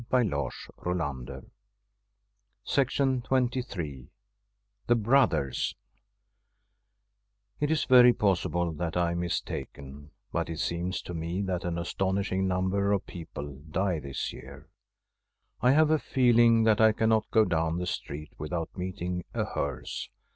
[338 1 From a Swedish Homestead X '[he Brothers j The Brothers IT is very possible that I am mistaken, but it seems to me that an astonishing number of people die this year. I have a feeling that 1 cannot go down the street without meeting a hearse.